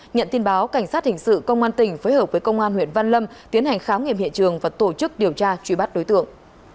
nhận tin báo cảnh sát hình sự công an tỉnh phối hợp với công an huyện văn lâm tiến hành khám nghiệm hiện trường và tổ chức điều tra truy bắt đối tượng